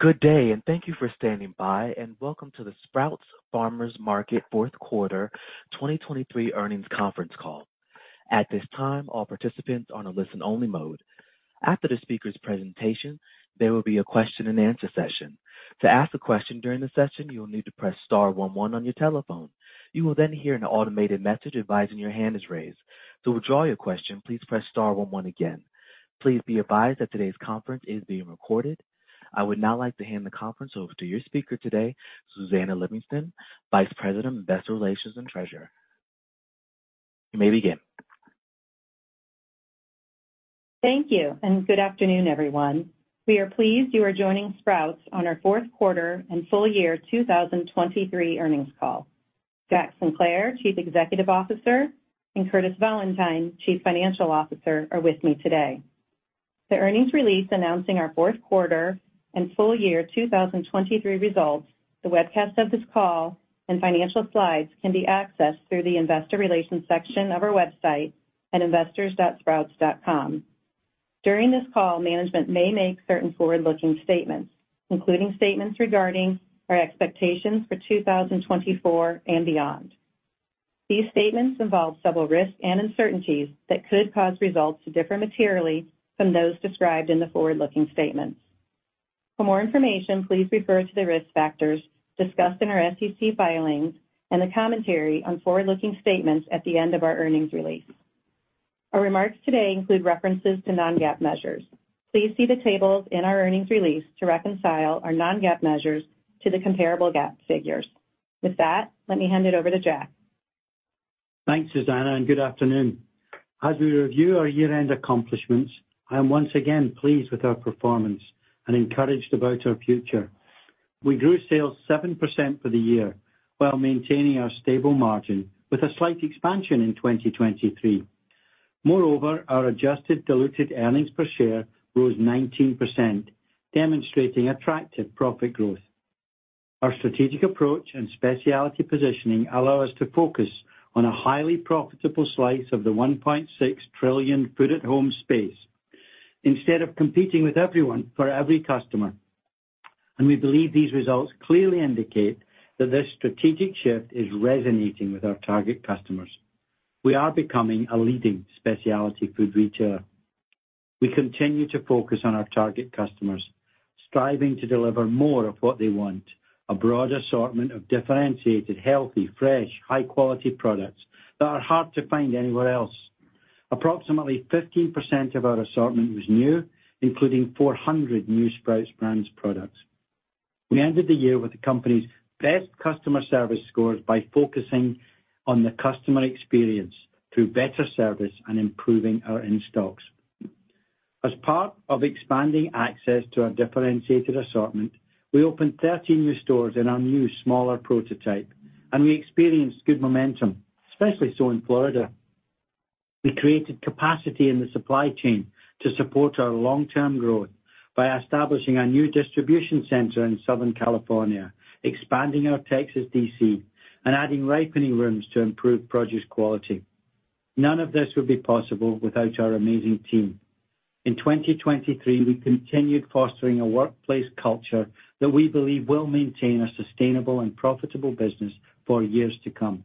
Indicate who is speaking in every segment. Speaker 1: Good day, and thank you for standing by, and welcome to the Sprouts Farmers Market Fourth Quarter 2023 Earnings Conference Call. At this time, all participants are on a listen-only mode. After the speaker's presentation, there will be a question-and-answer session. To ask a question during the session, you will need to press star one one on your telephone. You will then hear an automated message advising your hand is raised. To withdraw your question, please press star one one again. Please be advised that today's conference is being recorded. I would now like to hand the conference over to your speaker today, Susannah Livingston, Vice President of Investor Relations and Treasurer. You may begin.
Speaker 2: Thank you, and good afternoon, everyone. We are pleased you are joining Sprouts on our fourth quarter and full year 2023 earnings call. Jack Sinclair, Chief Executive Officer, and Curtis Valentine, Chief Financial Officer, are with me today. The earnings release announcing our fourth quarter and full year 2023 results, the webcast of this call, and financial slides can be accessed through the Investor Relations section of our website at investors.sprouts.com. During this call, management may make certain forward-looking statements, including statements regarding our expectations for 2024 and beyond. These statements involve several risks and uncertainties that could cause results to differ materially from those described in the forward-looking statements. For more information, please refer to the risk factors discussed in our SEC filings and the commentary on forward-looking statements at the end of our earnings release. Our remarks today include references to non-GAAP measures. Please see the tables in our earnings release to reconcile our non-GAAP measures to the comparable GAAP figures. With that, let me hand it over to Jack.
Speaker 3: Thanks, Susannah, and good afternoon. As we review our year-end accomplishments, I am once again pleased with our performance and encouraged about our future. We grew sales 7% for the year while maintaining our stable margin with a slight expansion in 2023. Moreover, our adjusted diluted earnings per share rose 19%, demonstrating attractive profit growth. Our strategic approach and specialty positioning allow us to focus on a highly profitable slice of the $1.6 trillion food at home space instead of competing with everyone for every customer, and we believe these results clearly indicate that this strategic shift is resonating with our target customers. We are becoming a leading specialty food retailer. We continue to focus on our target customers, striving to deliver more of what they want, a broad assortment of differentiated, healthy, fresh, high-quality products that are hard to find anywhere else. Approximately 15% of our assortment was new, including 400 new Sprouts Brand products. We ended the year with the company's best customer service scores by focusing on the customer experience through better service and improving our in-stocks. As part of expanding access to our differentiated assortment, we opened 13 new stores in our new, smaller prototype, and we experienced good momentum, especially so in Florida. We created capacity in the supply chain to support our long-term growth by establishing a new distribution center in Southern California, expanding our Texas DC, and adding ripening rooms to improve produce quality. None of this would be possible without our amazing team. In 2023, we continued fostering a workplace culture that we believe will maintain a sustainable and profitable business for years to come.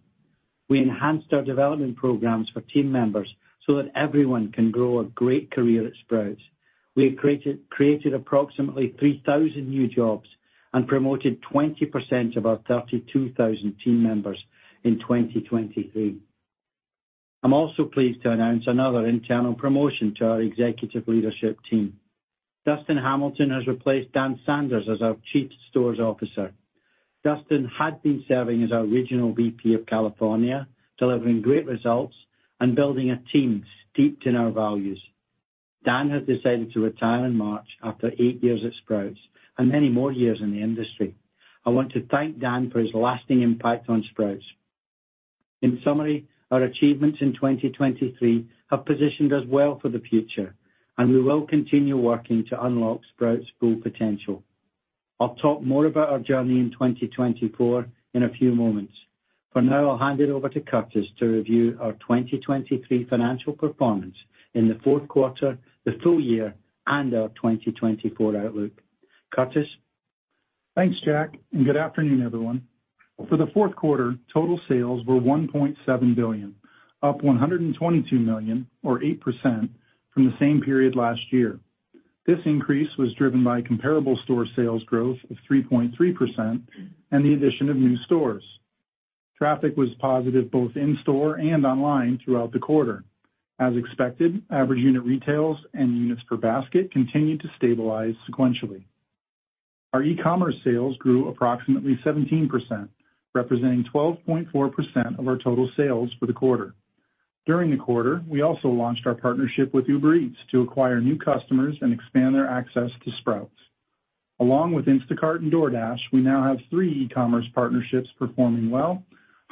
Speaker 3: We enhanced our development programs for team members so that everyone can grow a great career at Sprouts. We created approximately 3,000 new jobs and promoted 20% of our 32,000 team members in 2023. I'm also pleased to announce another internal promotion to our executive leadership team. Dustin Hamilton has replaced Dan Sanders as our Chief Stores Officer. Dustin had been serving as our Regional VP of California, delivering great results and building a team steeped in our values. Dan has decided to retire in March after 8 years at Sprouts and many more years in the industry. I want to thank Dan for his lasting impact on Sprouts. In summary, our achievements in 2023 have positioned us well for the future, and we will continue working to unlock Sprouts' full potential. I'll talk more about our journey in 2024 in a few moments. For now, I'll hand it over to Curtis to review our 2023 financial performance in the fourth quarter, the full year, and our 2024 outlook. Curtis?
Speaker 4: Thanks, Jack, and good afternoon, everyone. For the fourth quarter, total sales were $1.7 billion, up $122 million or 8% from the same period last year. This increase was driven by comparable store sales growth of 3.3% and the addition of new stores. Traffic was positive both in-store and online throughout the quarter. As expected, average unit retail and units per basket continued to stabilize sequentially. Our e-commerce sales grew approximately 17%, representing 12.4% of our total sales for the quarter. During the quarter, we also launched our partnership with Uber Eats to acquire new customers and expand their access to Sprouts. Along with Instacart and DoorDash, we now have 3 e-commerce partnerships performing well,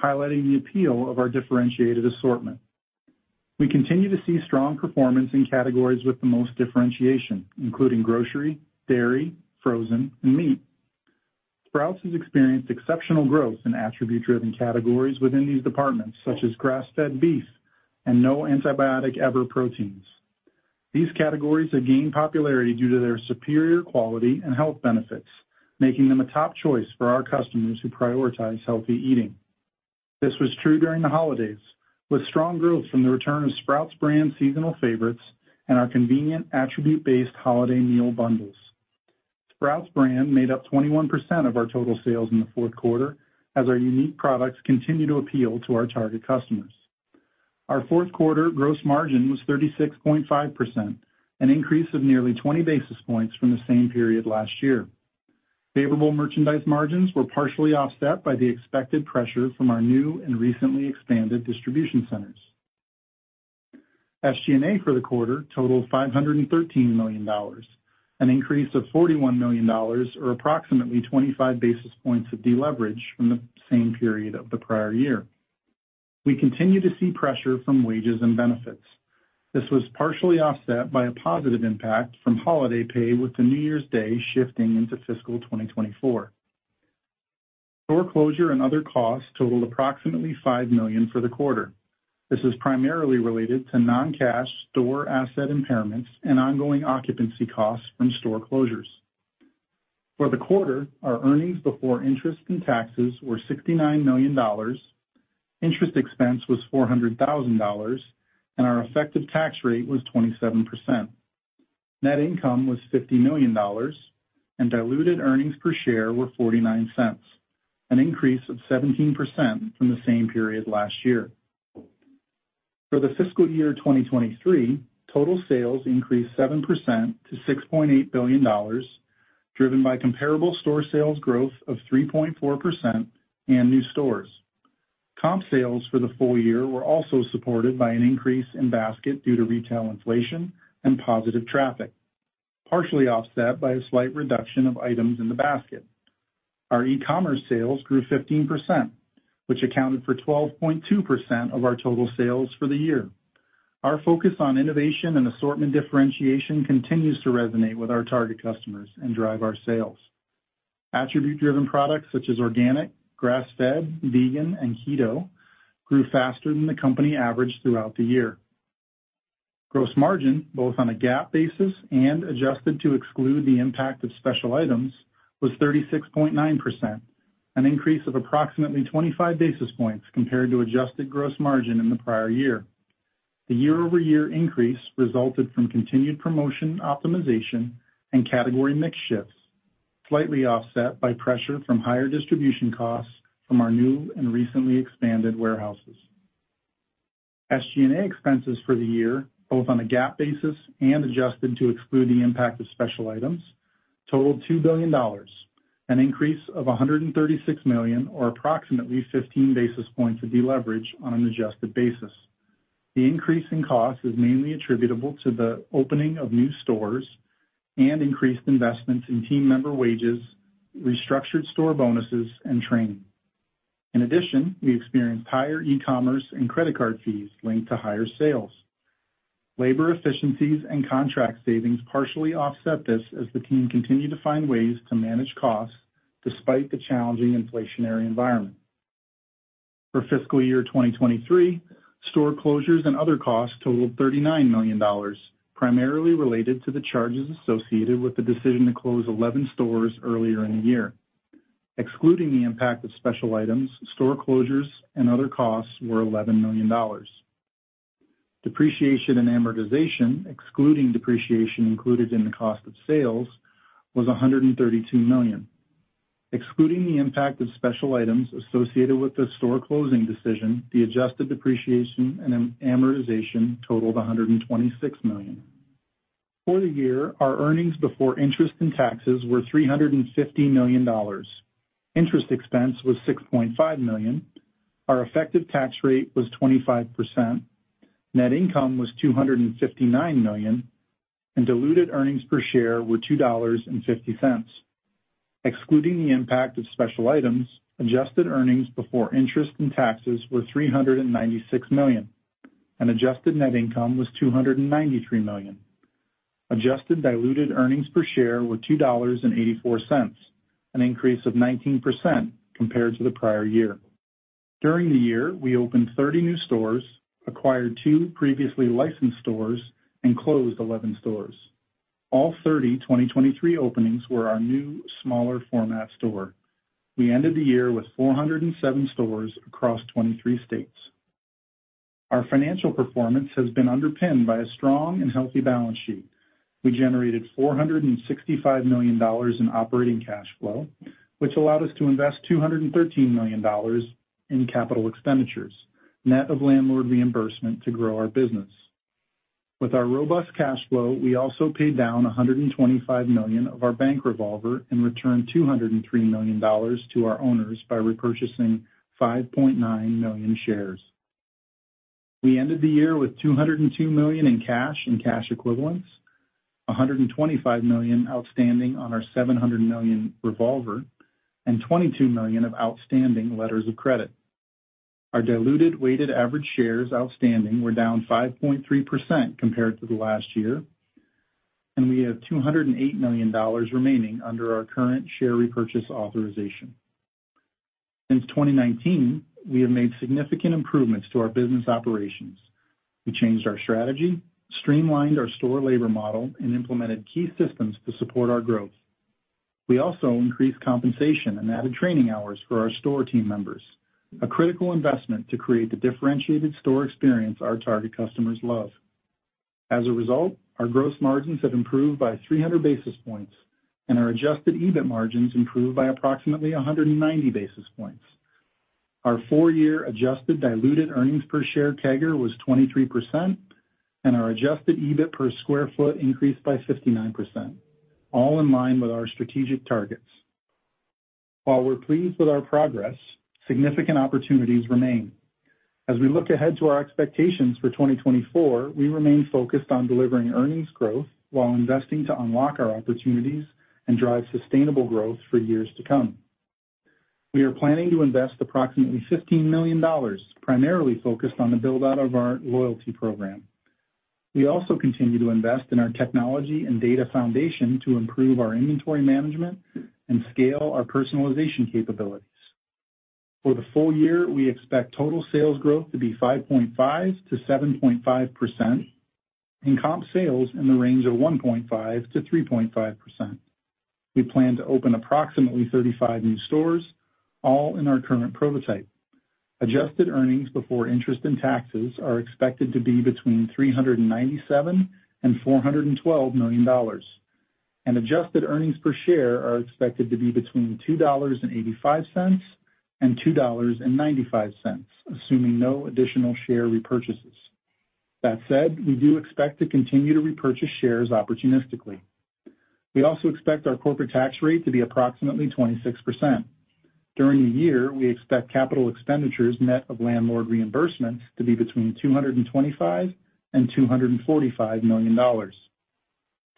Speaker 4: highlighting the appeal of our differentiated assortment. We continue to see strong performance in categories with the most differentiation, including grocery, dairy, frozen, and meat. Sprouts has experienced exceptional growth in attribute-driven categories within these departments, such as grass-fed beef and no antibiotic ever proteins. These categories have gained popularity due to their superior quality and health benefits, making them a top choice for our customers who prioritize healthy eating. This was true during the holidays, with strong growth from the return of Sprouts Brand seasonal favorites and our convenient attribute-based holiday meal bundles. Sprouts Brand made up 21% of our total sales in the fourth quarter, as our unique products continue to appeal to our target customers. Our fourth quarter gross margin was 36.5%, an increase of nearly 20 basis points from the same period last year. Favorable merchandise margins were partially offset by the expected pressure from our new and recently expanded distribution centers. SG&A for the quarter totaled $513 million, an increase of $41 million, or approximately 25 basis points of deleverage from the same period of the prior year. We continue to see pressure from wages and benefits. This was partially offset by a positive impact from holiday pay, with the New Year's Day shifting into fiscal 2024. Store closure and other costs totaled approximately $5 million for the quarter. This is primarily related to non-cash store asset impairments and ongoing occupancy costs from store closures. For the quarter, our earnings before interest and taxes were $69 million, interest expense was $400,000, and our effective tax rate was 27%. Net income was $50 million, and diluted earnings per share were $0.49, an increase of 17% from the same period last year. For the fiscal year 2023, total sales increased 7% to $6.8 billion, driven by comparable store sales growth of 3.4% and new stores. Comp sales for the full year were also supported by an increase in basket due to retail inflation and positive traffic, partially offset by a slight reduction of items in the basket. Our e-commerce sales grew 15%, which accounted for 12.2% of our total sales for the year. Our focus on innovation and assortment differentiation continues to resonate with our target customers and drive our sales. Attribute-driven products such as organic, grass-fed, vegan, and keto grew faster than the company average throughout the year. Gross margin, both on a GAAP basis and adjusted to exclude the impact of special items, was 36.9%, an increase of approximately 25 basis points compared to adjusted gross margin in the prior year. The year-over-year increase resulted from continued promotion, optimization, and category mix shifts, slightly offset by pressure from higher distribution costs from our new and recently expanded warehouses. SG&A expenses for the year, both on a GAAP basis and adjusted to exclude the impact of special items, totaled $2 billion, an increase of $136 million, or approximately 15 basis points of deleverage on an adjusted basis. The increase in cost is mainly attributable to the opening of new stores and increased investments in team member wages, restructured store bonuses, and training. In addition, we experienced higher e-commerce and credit card fees linked to higher sales. Labor efficiencies and contract savings partially offset this as the team continued to find ways to manage costs despite the challenging inflationary environment. For fiscal year 2023, store closures and other costs totaled $39 million, primarily related to the charges associated with the decision to close 11 stores earlier in the year. Excluding the impact of special items, store closures and other costs were $11 million. Depreciation and amortization, excluding depreciation included in the cost of sales, was $132 million. Excluding the impact of special items associated with the store closing decision, the adjusted depreciation and amortization totaled $126 million. For the year, our earnings before interest and taxes were $350 million. Interest expense was $6.5 million, our effective tax rate was 25%, net income was $259 million, and diluted earnings per share were $2.50. Excluding the impact of special items, adjusted earnings before interest and taxes were $396 million, and adjusted net income was $293 million. Adjusted diluted earnings per share were $2.84, an increase of 19% compared to the prior year. During the year, we opened 30 new stores, acquired two previously licensed stores, and closed 11 stores. All 30 2023 openings were our new, smaller format store. We ended the year with 407 stores across 23 states. Our financial performance has been underpinned by a strong and healthy balance sheet. We generated $465 million in operating cash flow, which allowed us to invest $213 million in capital expenditures, net of landlord reimbursement to grow our business. With our robust cash flow, we also paid down $125 million of our bank revolver and returned $203 million to our owners by repurchasing 5.9 million shares. We ended the year with $202 million in cash and cash equivalents, $125 million outstanding on our $700 million revolver, and $22 million of outstanding letters of credit.... Our diluted weighted average shares outstanding were down 5.3% compared to the last year, and we have $208 million remaining under our current share repurchase authorization. Since 2019, we have made significant improvements to our business operations. We changed our strategy, streamlined our store labor model, and implemented key systems to support our growth. We also increased compensation and added training hours for our store team members, a critical investment to create the differentiated store experience our target customers love. As a result, our gross margins have improved by 300 basis points, and our adjusted EBIT margins improved by approximately 190 basis points. Our four-year adjusted diluted earnings per share CAGR was 23%, and our adjusted EBIT per sq ft increased by 59%, all in line with our strategic targets. While we're pleased with our progress, significant opportunities remain. As we look ahead to our expectations for 2024, we remain focused on delivering earnings growth while investing to unlock our opportunities and drive sustainable growth for years to come. We are planning to invest approximately $15 million, primarily focused on the build-out of our loyalty program. We also continue to invest in our technology and data foundation to improve our inventory management and scale our personalization capabilities. For the full year, we expect total sales growth to be 5.5%-7.5%, and comp sales in the range of 1.5%-3.5%. We plan to open approximately 35 new stores, all in our current prototype. Adjusted earnings before interest and taxes are expected to be between $397 million and $412 million, and adjusted earnings per share are expected to be between $2.85 and $2.95, assuming no additional share repurchases. That said, we do expect to continue to repurchase shares opportunistically. We also expect our corporate tax rate to be approximately 26%. During the year, we expect capital expenditures net of landlord reimbursements to be between $225 million and $245 million.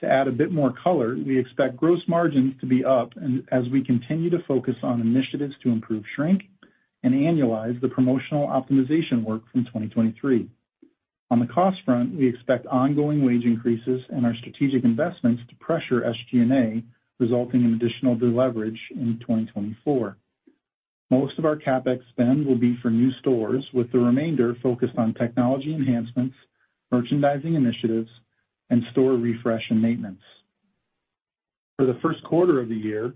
Speaker 4: To add a bit more color, we expect gross margins to be up, as we continue to focus on initiatives to improve shrink and annualize the promotional optimization work from 2023. On the cost front, we expect ongoing wage increases and our strategic investments to pressure SG&A, resulting in additional deleverage in 2024. Most of our CapEx spend will be for new stores, with the remainder focused on technology enhancements, merchandising initiatives, and store refresh and maintenance. For the first quarter of the year,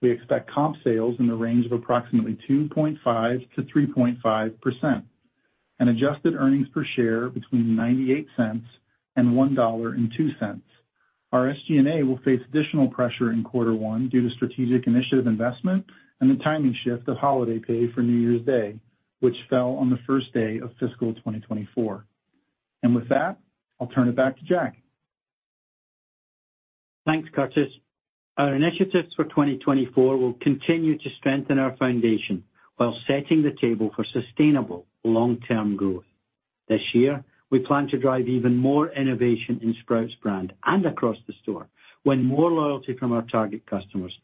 Speaker 4: we expect comp sales in the range of approximately 2.5%-3.5%, and adjusted earnings per share between $0.98 and $1.02. Our SG&A will face additional pressure in quarter one due to strategic initiative investment and the timing shift of holiday pay for New Year's Day, which fell on the first day of fiscal 2024. With that, I'll turn it back to Jack.
Speaker 3: Thanks, Curtis. Our initiatives for 2024 will continue to strengthen our foundation while setting the table for sustainable long-term growth. This year, we plan to drive even more innovation in Sprouts Brand and across the store, win more loyalty from our target customers,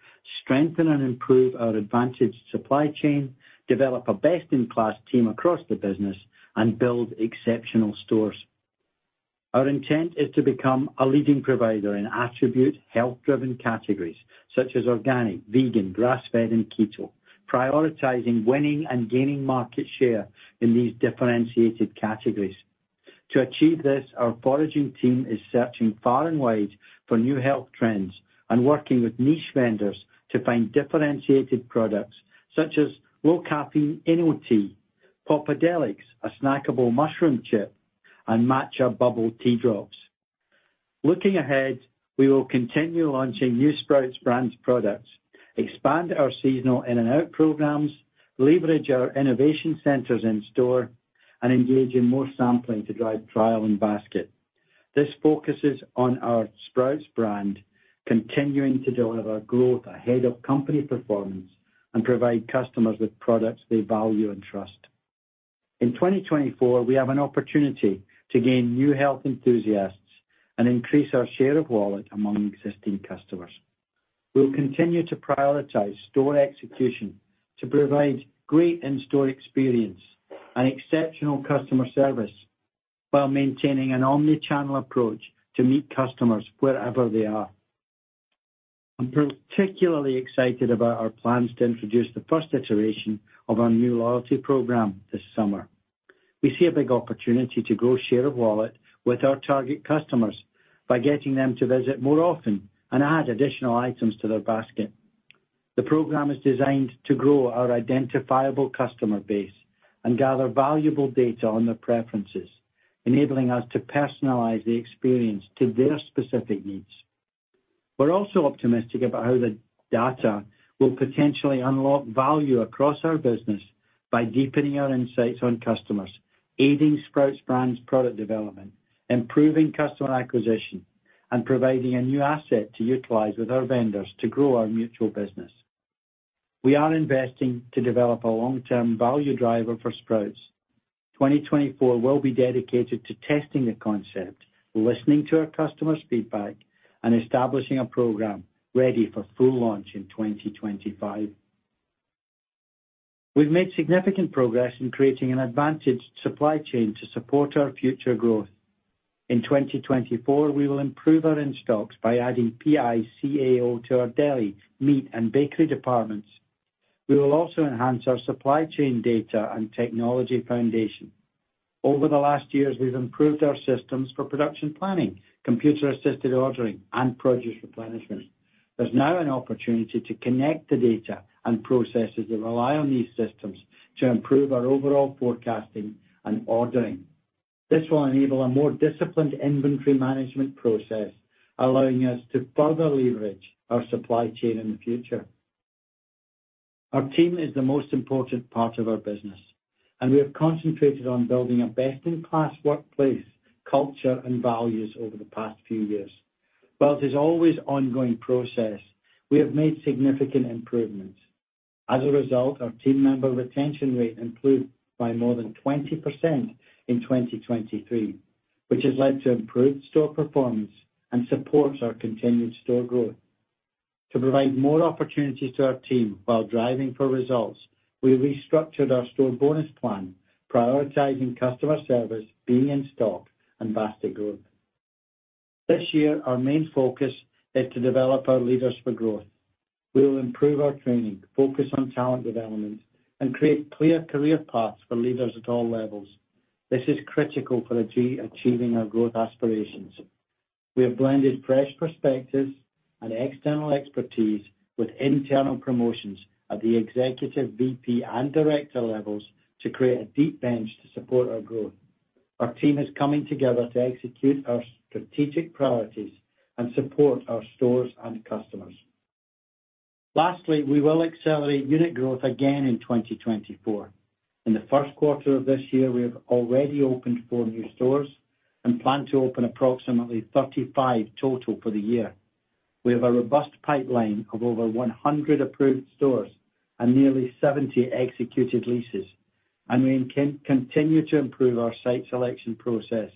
Speaker 3: strengthen and improve our advantaged supply chain, develop a best-in-class team across the business, and build exceptional stores. Our intent is to become a leading provider in attribute, health-driven categories such as organic, vegan, grass-fed, and keto, prioritizing winning and gaining market share in these differentiated categories. To achieve this, our foraging team is searching far and wide for new health trends and working with niche vendors to find differentiated products such as low-caffeine Inotea, Popadelics, a snackable mushroom chip, and Matcha Bubble Tea Drops. Looking ahead, we will continue launching new Sprouts Brand products, expand our seasonal in-and-out programs, leverage our innovation centers in-store, and engage in more sampling to drive trial and basket. This focuses on our Sprouts Brand, continuing to deliver growth ahead of company performance and provide customers with products they value and trust. In 2024, we have an opportunity to gain new health enthusiasts and increase our share of wallet among existing customers. We'll continue to prioritize store execution to provide great in-store experience and exceptional customer service while maintaining an omni-channel approach to meet customers wherever they are. I'm particularly excited about our plans to introduce the first iteration of our new loyalty program this summer. We see a big opportunity to grow share of wallet with our target customers by getting them to visit more often and add additional items to their basket. The program is designed to grow our identifiable customer base and gather valuable data on their preferences, enabling us to personalize the experience to their specific needs. We're also optimistic about how the data will potentially unlock value across our business by deepening our insights on customers, aiding Sprouts Brand product development, improving customer acquisition, and providing a new asset to utilize with our vendors to grow our mutual business. We are investing to develop a long-term value driver for Sprouts.... 2024 will be dedicated to testing the concept, listening to our customers' feedback, and establishing a program ready for full launch in 2025. We've made significant progress in creating an advantaged supply chain to support our future growth. In 2024, we will improve our in-stocks by adding PI/CAO to our deli, meat, and bakery departments. We will also enhance our supply chain data and technology foundation. Over the last years, we've improved our systems for production planning, computer-assisted ordering, and produce replenishment. There's now an opportunity to connect the data and processes that rely on these systems to improve our overall forecasting and ordering. This will enable a more disciplined inventory management process, allowing us to further leverage our supply chain in the future. Our team is the most important part of our business, and we have concentrated on building a best-in-class workplace, culture, and values over the past few years. While it is always ongoing process, we have made significant improvements. As a result, our team member retention rate improved by more than 20% in 2023, which has led to improved store performance and supports our continued store growth. To provide more opportunities to our team while driving for results, we restructured our store bonus plan, prioritizing customer service, being in stock, and basket growth. This year, our main focus is to develop our leaders for growth. We will improve our training, focus on talent development, and create clear career paths for leaders at all levels. This is critical for achieving our growth aspirations. We have blended fresh perspectives and external expertise with internal promotions at the executive, VP, and director levels to create a deep bench to support our growth. Our team is coming together to execute our strategic priorities and support our stores and customers. Lastly, we will accelerate unit growth again in 2024. In the first quarter of this year, we have already opened 4 new stores and plan to open approximately 35 total for the year. We have a robust pipeline of over 100 approved stores and nearly 70 executed leases, and we continue to improve our site selection process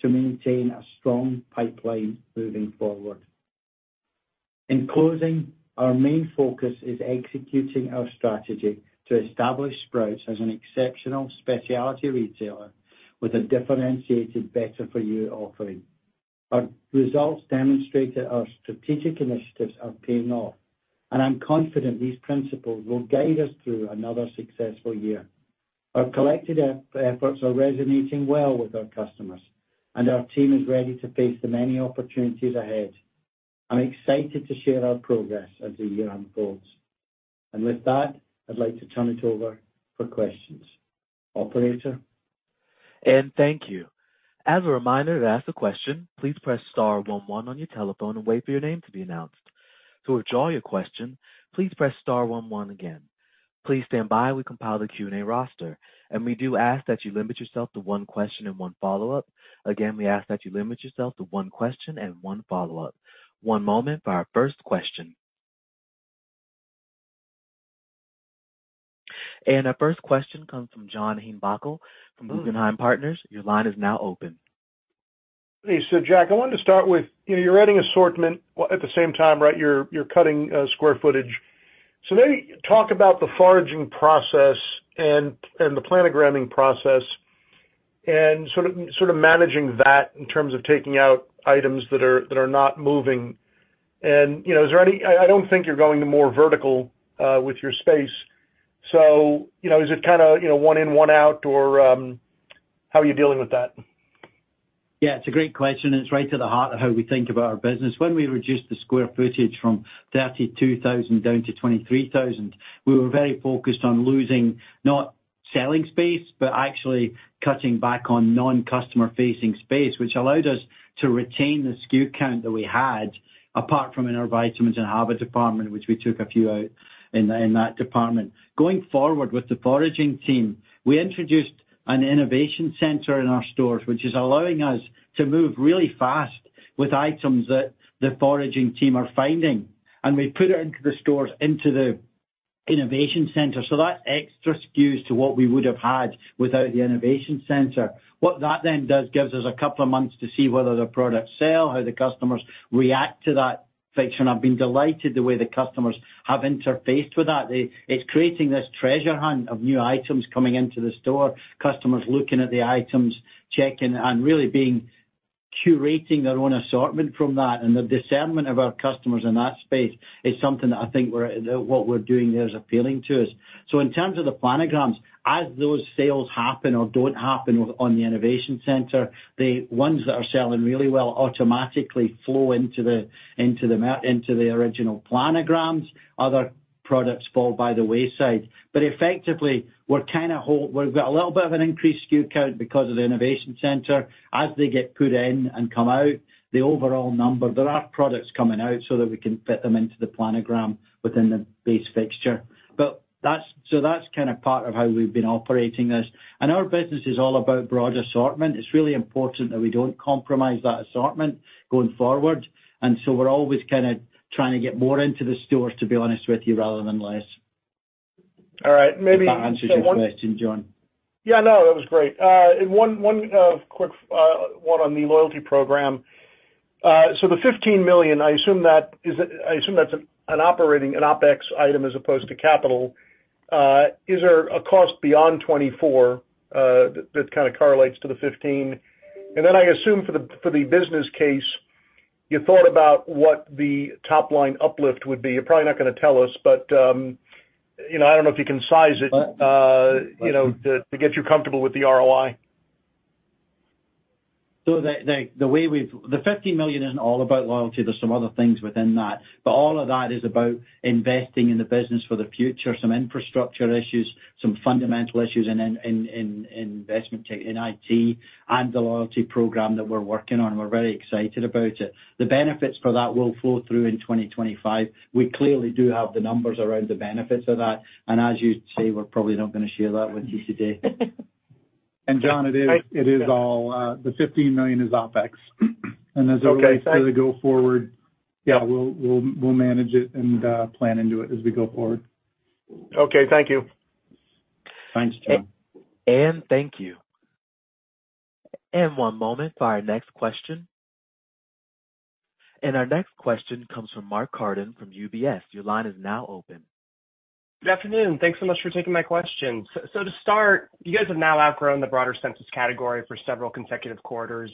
Speaker 3: to maintain a strong pipeline moving forward. In closing, our main focus is executing our strategy to establish Sprouts as an exceptional specialty retailer with a differentiated better-for-you offering. Our results demonstrate that our strategic initiatives are paying off, and I'm confident these principles will guide us through another successful year. Our collective efforts are resonating well with our customers, and our team is ready to face the many opportunities ahead. I'm excited to share our progress as the year unfolds. And with that, I'd like to turn it over for questions. Operator?
Speaker 1: And thank you. As a reminder, to ask a question, please press star one one on your telephone and wait for your name to be announced. To withdraw your question, please press star one one again. Please stand by while we compile the Q&A roster, and we do ask that you limit yourself to one question and one follow-up. Again, we ask that you limit yourself to one question and one follow-up. One moment for our first question. And our first question comes from John Heinbockel from Guggenheim Partners. Your line is now open.
Speaker 5: Hey, so Jack, I wanted to start with, you know, you're adding assortment, at the same time, right, you're, you're cutting square footage. So maybe talk about the sourcing process and the planogramming process and sort of managing that in terms of taking out items that are not moving. And, you know, is there any... I don't think you're going more vertical with your space. So, you know, is it kind of, you know, one in, one out, or how are you dealing with that?
Speaker 3: Yeah, it's a great question, and it's right to the heart of how we think about our business. When we reduced the square footage from 32,000 down to 23,000, we were very focused on losing, not selling space, but actually cutting back on non-customer-facing space, which allowed us to retain the SKU count that we had, apart from in our vitamins and HABA department, which we took a few out in that department. Going forward with the foraging team, we introduced an innovation center in our stores, which is allowing us to move really fast with items that the foraging team are finding. We put it into the stores, into the innovation center, so that's extra SKUs to what we would have had without the innovation center. What that then does, gives us a couple of months to see whether the products sell, how the customers react to that fixture, and I've been delighted the way the customers have interfaced with that. They. It's creating this treasure hunt of new items coming into the store, customers looking at the items, checking and really being curating their own assortment from that. And the discernment of our customers in that space is something that I think we're, what we're doing there is appealing to us. So in terms of the planograms, as those sales happen or don't happen on the innovation center, the ones that are selling really well automatically flow into the, into the original planograms. Other products fall by the wayside. But effectively, we're kind of. We've got a little bit of an increased SKU count because of the innovation center. As they get put in and come out, the overall number, there are products coming out so that we can fit them into the planogram within the base fixture. But that's. So that's kind of part of how we've been operating this. Our business is all about broad assortment. It's really important that we don't compromise that assortment going forward, and so we're always kind of trying to get more into the stores, to be honest with you, rather than less....
Speaker 5: All right, maybe-
Speaker 3: If that answers your question, John.
Speaker 5: Yeah, no, that was great. And one quick one on the loyalty program. So the $15 million, I assume that is, I assume that's an operating OpEx item as opposed to capital. Is there a cost beyond 2024 that kind of correlates to the $15 million? And then I assume for the business case, you thought about what the top line uplift would be. You're probably not gonna tell us, but you know, I don't know if you can size it, you know, to get you comfortable with the ROI.
Speaker 3: So the way we've, the $15 million isn't all about loyalty. There's some other things within that, but all of that is about investing in the business for the future, some infrastructure issues, some fundamental issues in IT, and the loyalty program that we're working on. We're very excited about it. The benefits for that will flow through in 2025. We clearly do have the numbers around the benefits of that, and as you'd say, we're probably not gonna share that with you today.
Speaker 4: John, it is, it is all, the $15 million is OpEx.
Speaker 5: Okay.
Speaker 4: As we go forward, yeah, we'll manage it and plan into it as we go forward.
Speaker 5: Okay, thank you.
Speaker 3: Thanks, John.
Speaker 1: Thank you. One moment for our next question. Our next question comes from Mark Carden from UBS. Your line is now open.
Speaker 6: Good afternoon, thanks so much for taking my question. So, to start, you guys have now outgrown the broader consensus category for several consecutive quarters.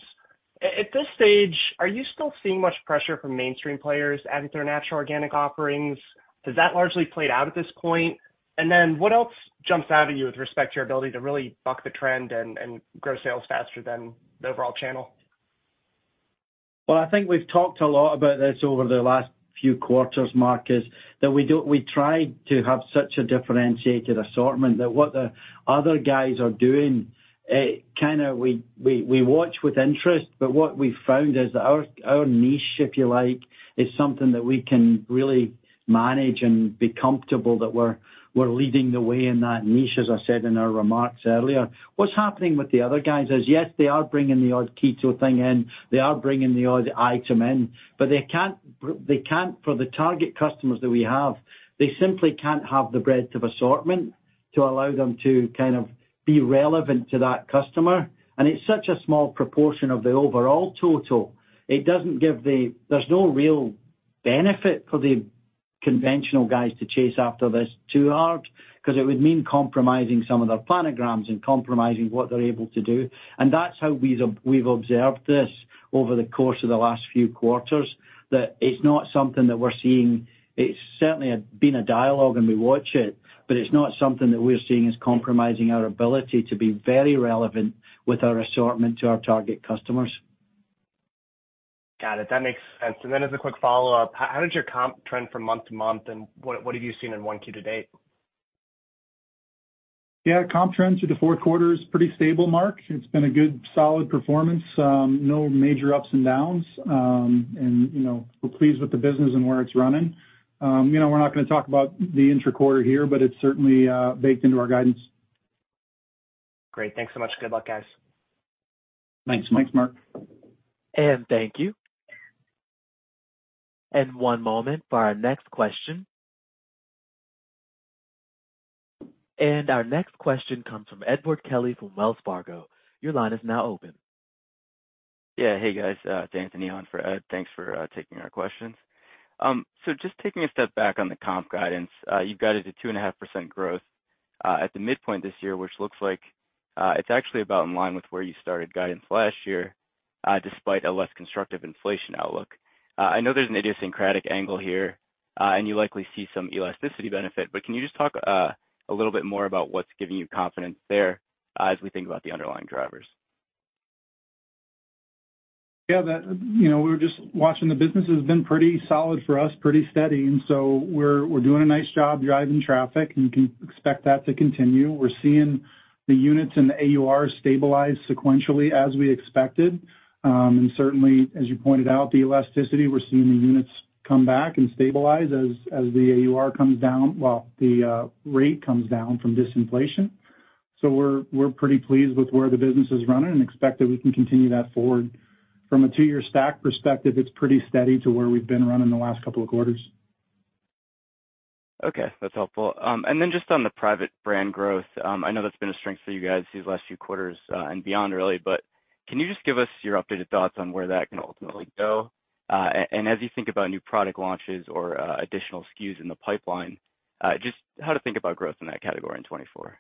Speaker 6: At this stage, are you still seeing much pressure from mainstream players adding to their natural organic offerings? Has that largely played out at this point? And then, what else jumps out at you with respect to your ability to really buck the trend and grow sales faster than the overall channel?
Speaker 3: Well, I think we've talked a lot about this over the last few quarters, Mark, is that we try to have such a differentiated assortment that what the other guys are doing, it kind of we watch with interest, but what we've found is that our niche, if you like, is something that we can really manage and be comfortable that we're leading the way in that niche, as I said in our remarks earlier. What's happening with the other guys is, yes, they are bringing the odd keto thing in, they are bringing the odd item in, but they can't, for the target customers that we have, they simply can't have the breadth of assortment to allow them to kind of be relevant to that customer. And it's such a small proportion of the overall total. There's no real benefit for the conventional guys to chase after this too hard, 'cause it would mean compromising some of their planograms and compromising what they're able to do. That's how we've observed this over the course of the last few quarters, that it's not something that we're seeing. It's certainly been a dialogue, and we watch it, but it's not something that we're seeing as compromising our ability to be very relevant with our assortment to our target customers.
Speaker 6: Got it. That makes sense. And then as a quick follow-up, how did your comp trend from month to month, and what have you seen in 1Q to date?
Speaker 4: Yeah, comp trends through the fourth quarter is pretty stable, Mark. It's been a good, solid performance, no major ups and downs, and, you know, we're pleased with the business and where it's running. You know, we're not gonna talk about the intra-quarter here, but it's certainly baked into our guidance.
Speaker 6: Great. Thanks so much. Good luck, guys.
Speaker 3: Thanks. Thanks, Mark.
Speaker 1: Thank you. One moment for our next question. Our next question comes from Edward Kelly from Wells Fargo. Your line is now open.
Speaker 7: Yeah. Hey, guys, Anthony, on for Ed. Thanks for taking our questions. So just taking a step back on the comp guidance, you've guided to 2.5% growth, at the midpoint this year, which looks like, it's actually about in line with where you started guidance last year, despite a less constructive inflation outlook. I know there's an idiosyncratic angle here, and you likely see some elasticity benefit, but can you just talk, a little bit more about what's giving you confidence there, as we think about the underlying drivers?
Speaker 4: Yeah, that, you know, we're just watching the business has been pretty solid for us, pretty steady, and so we're, we're doing a nice job driving traffic, and you can expect that to continue. We're seeing the units and the AUR stabilize sequentially as we expected. And certainly, as you pointed out, the elasticity, we're seeing the units come back and stabilize as, as the AUR comes down, well, the rate comes down from disinflation. So we're, we're pretty pleased with where the business is running and expect that we can continue that forward. From a two-year stack perspective, it's pretty steady to where we've been running the last couple of quarters.
Speaker 7: Okay, that's helpful. And then just on the private brand growth, I know that's been a strength for you guys these last few quarters, and beyond, really, but can you just give us your updated thoughts on where that can ultimately go? And as you think about new product launches or, additional SKUs in the pipeline, just how to think about growth in that category in 2024.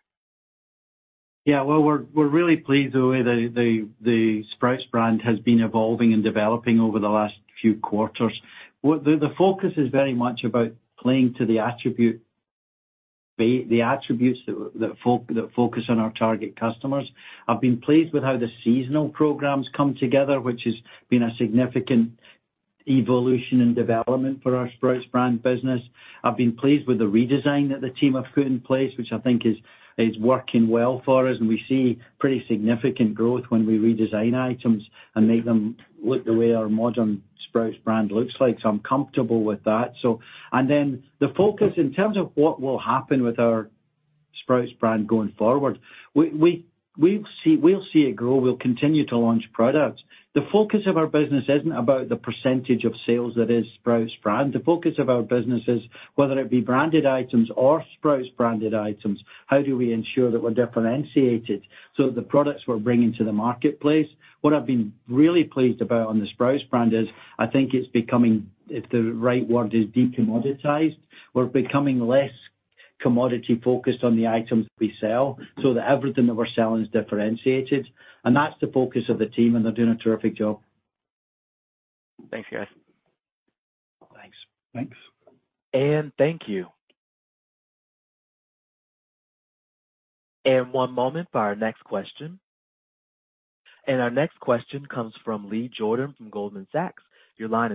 Speaker 3: Yeah, well, we're really pleased the way the Sprouts Brand has been evolving and developing over the last few quarters. The focus is very much about playing to the attributes that focus on our target customers. I've been pleased with how the seasonal programs come together, which has been a significant evolution and development for our Sprouts Brand business. I've been pleased with the redesign that the team have put in place, which I think is working well for us, and we see pretty significant growth when we redesign items and make them look the way our modern Sprouts Brand looks like. So I'm comfortable with that. So and then the focus in terms of what will happen with our Sprouts Brand going forward. We'll see it grow. We'll continue to launch products. The focus of our business isn't about the percentage of sales that is Sprouts Brand. The focus of our business is whether it be branded items or Sprouts-branded items, how do we ensure that we're differentiated so that the products we're bringing to the marketplace? What I've been really pleased about on the Sprouts Brand is I think it's becoming, if the right word, is de-commoditized. We're becoming less commodity focused on the items we sell, so that everything that we're selling is differentiated, and that's the focus of the team, and they're doing a terrific job.
Speaker 7: Thanks, guys.
Speaker 4: Thanks.
Speaker 8: Thanks.
Speaker 1: Thank you. One moment for our next question. Our next question comes from Leah Jordan from Goldman Sachs. Your line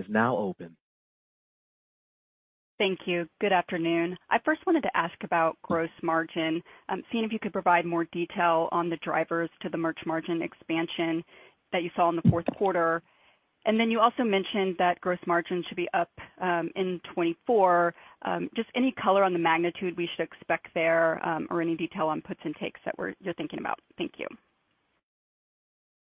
Speaker 1: is now open.
Speaker 9: Thank you. Good afternoon. I first wanted to ask about gross margin, seeing if you could provide more detail on the drivers to the merch margin expansion that you saw in the fourth quarter. And then you also mentioned that gross margin should be up in 2024. Just any color on the magnitude we should expect there, or any detail on puts and takes that we're—you're thinking about? Thank you.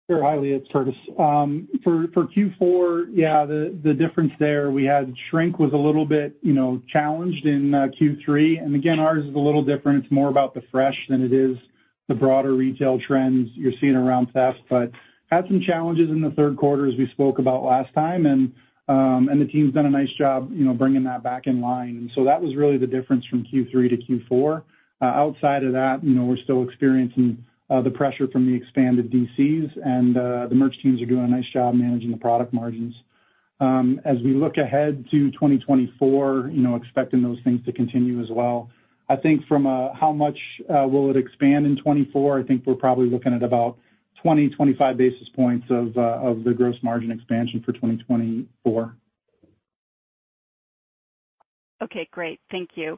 Speaker 4: Sure, Leah, it's Curtis. For Q4, yeah, the difference there, we had shrink was a little bit, you know, challenged in Q3. And again, ours is a little different. It's more about the fresh than it is the broader retail trends you're seeing around fast. But had some challenges in the third quarter, as we spoke about last time. And the team's done a nice job, you know, bringing that back in line. So that was really the difference from Q3 to Q4. Outside of that, you know, we're still experiencing the pressure from the expanded DCs, and the merch teams are doing a nice job managing the product margins. As we look ahead to 2024, you know, expecting those things to continue as well. I think from a how much will it expand in 2024? I think we're probably looking at about 20-25 basis points of the gross margin expansion for 2024.
Speaker 9: Okay, great. Thank you.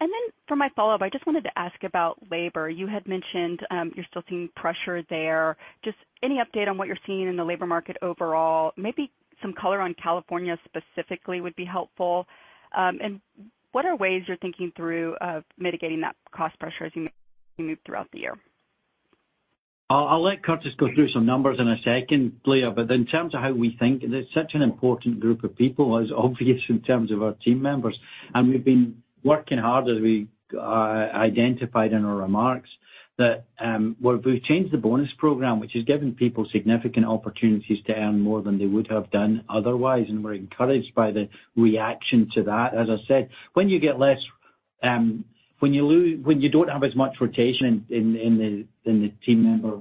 Speaker 9: And then for my follow-up, I just wanted to ask about labor. You had mentioned, you're still seeing pressure there. Just any update on what you're seeing in the labor market overall, maybe some color on California specifically would be helpful. And what are ways you're thinking through of mitigating that cost pressure as you move throughout the year?
Speaker 3: I'll let Curtis go through some numbers in a second, Leah. But in terms of how we think, it's such an important group of people, as obvious in terms of our team members, and we've been working hard, as we identified in our remarks, that well, we've changed the bonus program, which has given people significant opportunities to earn more than they would have done otherwise, and we're encouraged by the reaction to that. As I said, when you get less, when you lose, when you don't have as much rotation in the team member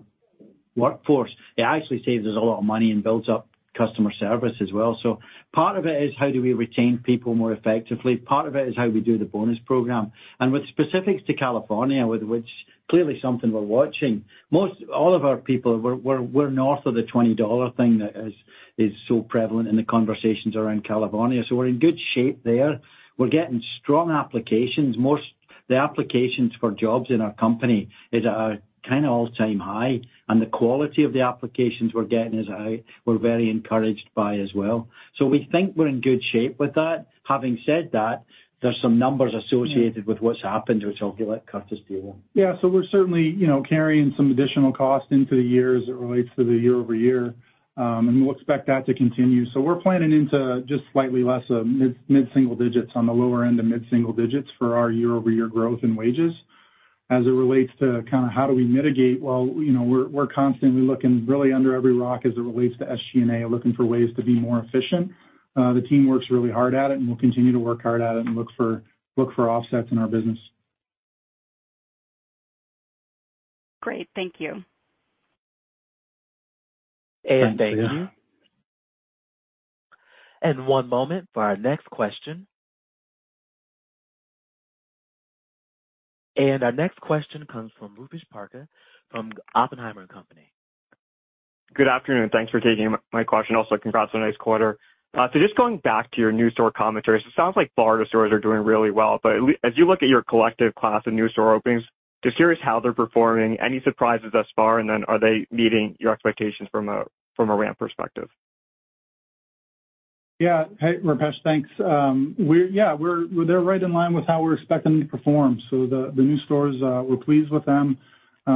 Speaker 3: workforce, it actually saves us a lot of money and builds up customer service as well. So part of it is how do we retain people more effectively? Part of it is how we do the bonus program. With specifics to California, which clearly something we're watching, most all of our people, we're north of the $20 thing that is so prevalent in the conversations around California. So we're in good shape there. We're getting strong applications. Most the applications for jobs in our company is at a kind of all-time high, and the quality of the applications we're getting, we're very encouraged by as well. So we think we're in good shape with that. Having said that, there's some numbers associated with what's happened, which I'll let Curtis do.
Speaker 4: Yeah. So we're certainly, you know, carrying some additional cost into the year as it relates to the year-over-year, and we'll expect that to continue. So we're planning into just slightly less of mid-single digits on the lower end of mid-single digits for our year-over-year growth in wages. As it relates to kind of how do we mitigate, well, you know, we're constantly looking really under every rock as it relates to SG&A, looking for ways to be more efficient. The team works really hard at it, and we'll continue to work hard at it and look for offsets in our business.
Speaker 9: Great. Thank you.
Speaker 1: Thank you. One moment for our next question. Our next question comes from Rupesh Parikh from Oppenheimer & Co.
Speaker 10: Good afternoon. Thanks for taking my question. Also, congrats on a nice quarter. So just going back to your new store commentary, so it sounds like Florida stores are doing really well, but as you look at your collective class of new store openings, just curious how they're performing, any surprises thus far, and then are they meeting your expectations from a, from a ramp perspective?
Speaker 4: Yeah. Hey, Rupesh, thanks. They're right in line with how we're expecting them to perform. So the new stores, we're pleased with them.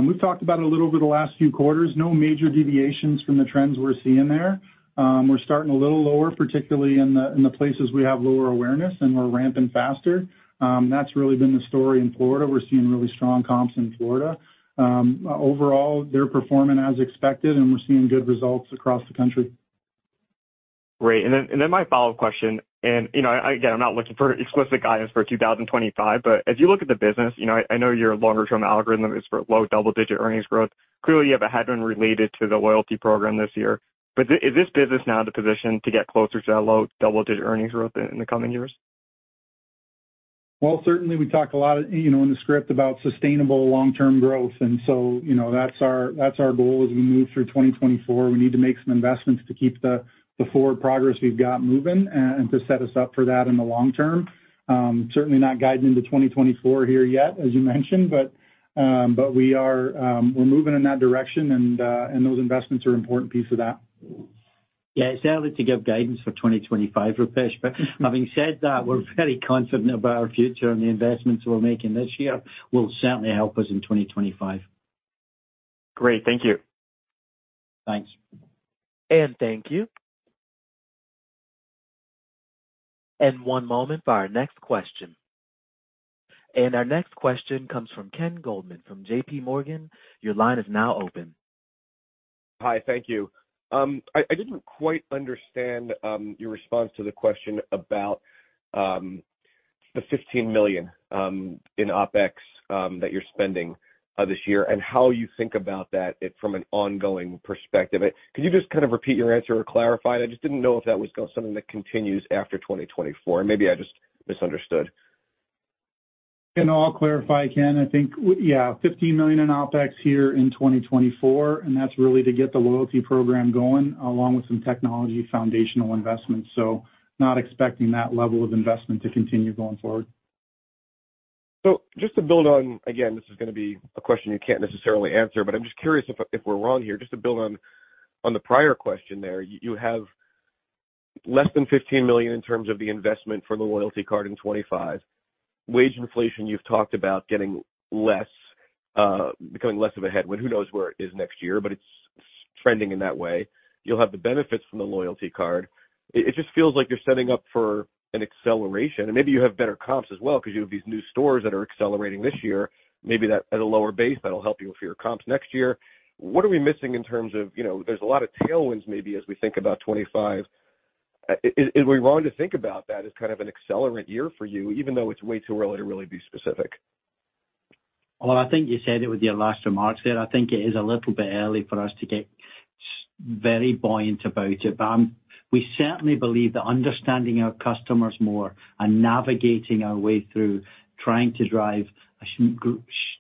Speaker 4: We've talked about a little over the last few quarters, no major deviations from the trends we're seeing there. We're starting a little lower, particularly in the places we have lower awareness, and we're ramping faster. That's really been the story in Florida. We're seeing really strong comps in Florida. Overall, they're performing as expected, and we're seeing good results across the country.
Speaker 10: Great. Then my follow-up question, and you know, again, I'm not looking for explicit guidance for 2025, but as you look at the business, you know, I know your longer-term algorithm is for low double-digit earnings growth. Clearly, you have a headwind related to the loyalty program this year, but is this business now in the position to get closer to that low double-digit earnings growth in the coming years?
Speaker 4: Well, certainly, we talked a lot, you know, in the script about sustainable long-term growth, and so, you know, that's our goal as we move through 2024. We need to make some investments to keep the forward progress we've got moving and to set us up for that in the long term. Certainly not guiding into 2024 here yet, as you mentioned, but we are, we're moving in that direction, and those investments are an important piece of that....
Speaker 3: Yeah, it's early to give guidance for 2025, Rupesh. Having said that, we're very confident about our future, and the investments we're making this year will certainly help us in 2025.
Speaker 11: Great. Thank you.
Speaker 3: Thanks.
Speaker 1: Thank you. One moment for our next question. Our next question comes from Ken Goldman from JP Morgan. Your line is now open.
Speaker 12: Hi, thank you. I didn't quite understand your response to the question about the $15 million in OpEx that you're spending this year, and how you think about that from an ongoing perspective. Could you just kind of repeat your answer or clarify it? I just didn't know if that was something that continues after 2024, and maybe I just misunderstood.
Speaker 4: No, I'll clarify, Ken. I think, yeah, $15 million in OpEx here in 2024, and that's really to get the loyalty program going, along with some technology foundational investments. So not expecting that level of investment to continue going forward.
Speaker 12: So just to build on, again, this is gonna be a question you can't necessarily answer, but I'm just curious if we're wrong here, just to build on the prior question there, you have less than $15 million in terms of the investment for the loyalty card in 2025. Wage inflation, you've talked about getting less, becoming less of a headwind. Who knows where it is next year, but it's trending in that way. You'll have the benefits from the loyalty card. It just feels like you're setting up for an acceleration, and maybe you have better comps as well, because you have these new stores that are accelerating this year. Maybe that at a lower base, that'll help you with your comps next year. What are we missing in terms of, you know, there's a lot of tailwinds, maybe, as we think about 2025? Are we wrong to think about that as kind of an accelerant year for you, even though it's way too early to really be specific?
Speaker 3: Well, I think you said it with your last remarks there. I think it is a little bit early for us to get very buoyant about it, but we certainly believe that understanding our customers more and navigating our way through trying to drive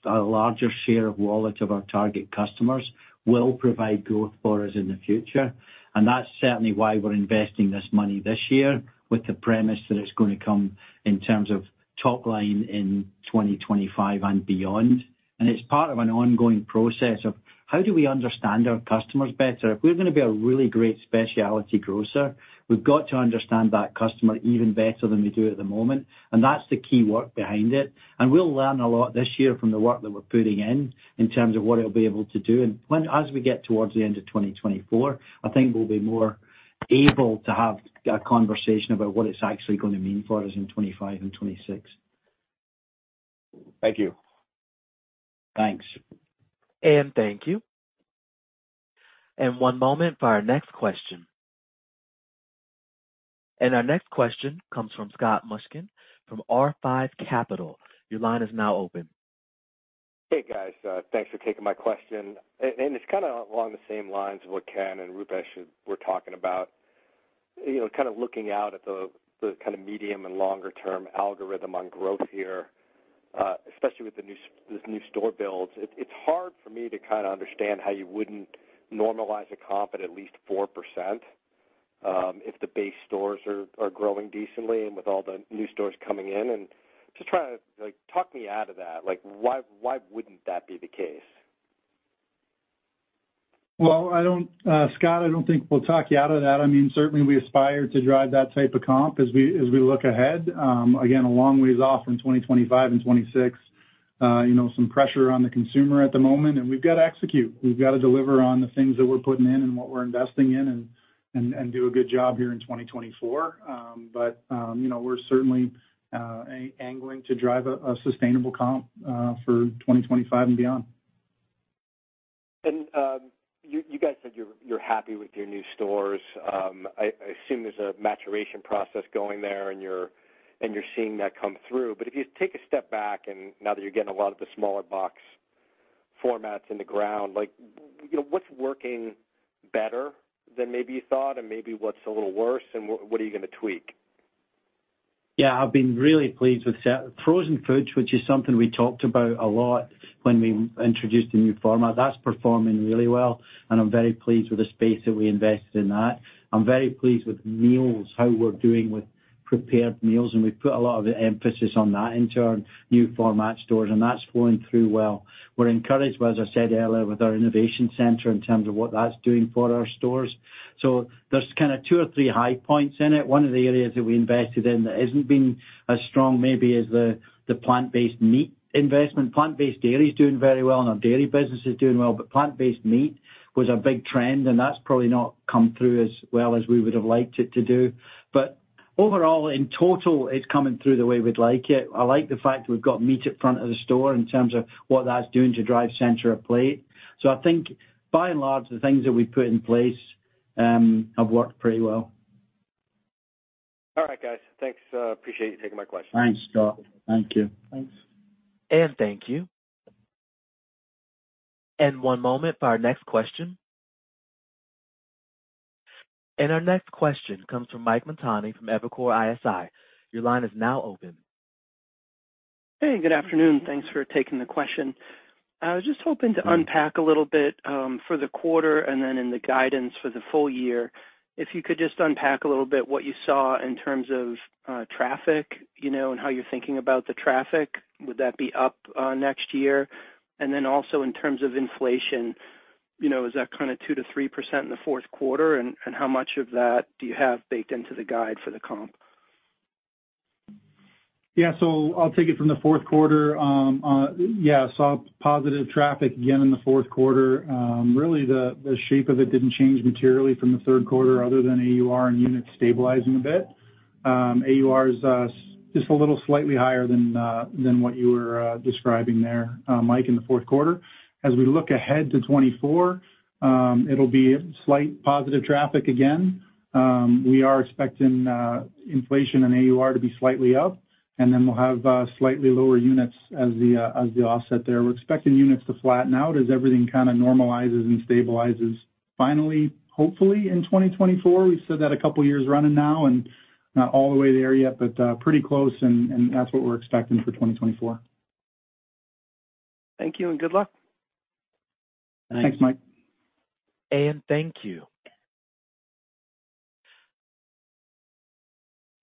Speaker 3: a larger share of wallet of our target customers will provide growth for us in the future. And that's certainly why we're investing this money this year, with the premise that it's going to come in terms of top line in 2025 and beyond. And it's part of an ongoing process of how do we understand our customers better? If we're going to be a really great specialty grocer, we've got to understand that customer even better than we do at the moment, and that's the key work behind it. We'll learn a lot this year from the work that we're putting in, in terms of what it'll be able to do. When, as we get towards the end of 2024, I think we'll be more able to have a conversation about what it's actually going to mean for us in 2025 and 2026.
Speaker 12: Thank you.
Speaker 3: Thanks.
Speaker 1: Thank you. One moment for our next question. Our next question comes from Scott Mushkin from R5 Capital. Your line is now open.
Speaker 8: Hey, guys, thanks for taking my question. It's kind of along the same lines of what Ken and Rupesh were talking about. You know, kind of looking out at the kind of medium and longer term algorithm on growth here, especially with these new store builds. It's hard for me to kind of understand how you wouldn't normalize a comp at least 4%, if the base stores are growing decently and with all the new stores coming in. Just trying to, like, talk me out of that, like, why wouldn't that be the case?
Speaker 4: Well, I don't, Scott, I don't think we'll talk you out of that. I mean, certainly we aspire to drive that type of comp as we, as we look ahead. Again, a long ways off in 2025 and 2026. You know, some pressure on the consumer at the moment, and we've got to execute. We've got to deliver on the things that we're putting in and what we're investing in and do a good job here in 2024. But, you know, we're certainly, angling to drive a sustainable comp, for 2025 and beyond.
Speaker 8: You guys said you're happy with your new stores. I assume there's a maturation process going there, and you're seeing that come through. But if you take a step back and now that you're getting a lot of the smaller box formats in the ground, like, you know, what's working better than maybe you thought, and maybe what's a little worse, and what are you going to tweak?
Speaker 3: Yeah, I've been really pleased with frozen foods, which is something we talked about a lot when we introduced a new format. That's performing really well, and I'm very pleased with the space that we invested in that. I'm very pleased with meals, how we're doing with prepared meals, and we've put a lot of the emphasis on that into our new format stores, and that's flowing through well. We're encouraged by, as I said earlier, with our innovation center in terms of what that's doing for our stores. So there's kind of two or three high points in it. One of the areas that we invested in that isn't been as strong maybe is the plant-based meat investment. Plant-based dairy is doing very well, and our dairy business is doing well. But plant-based meat was a big trend, and that's probably not come through as well as we would have liked it to do. Overall, in total, it's coming through the way we'd like it. I like the fact we've got meat at front of the store in terms of what that's doing to drive center of plate. So I think by and large, the things that we've put in place have worked pretty well.
Speaker 8: All right, guys. Thanks, appreciate you taking my question.
Speaker 3: Thanks, Scott. Thank you.
Speaker 4: Thanks.
Speaker 1: Thank you. One moment for our next question. Our next question comes from Mike Montani from Evercore ISI. Your line is now open.
Speaker 13: Hey, good afternoon. Thanks for taking the question. I was just hoping to unpack a little bit for the quarter and then in the guidance for the full year. If you could just unpack a little bit what you saw in terms of traffic, you know, and how you're thinking about the traffic. Would that be up next year? And then also in terms of inflation, you know, is that kind of 2%-3% in the fourth quarter? And how much of that do you have baked into the guide for the comp?
Speaker 4: Yeah, so I'll take it from the fourth quarter. Yeah, saw positive traffic again in the fourth quarter. Really, the shape of it didn't change materially from the third quarter, other than AUR and units stabilizing a bit. AUR is just a little slightly higher than what you were describing there, Mike, in the fourth quarter. As we look ahead to 2024, it'll be slight positive traffic again. We are expecting inflation and AUR to be slightly up, and then we'll have slightly lower units as the offset there. We're expecting units to flatten out as everything kind of normalizes and stabilizes finally, hopefully, in 2024. We've said that a couple of years running now, and not all the way there yet, but pretty close, and that's what we're expecting for 2024.
Speaker 14: Thank you, and good luck.
Speaker 4: Thanks, Mike.
Speaker 1: Thank you.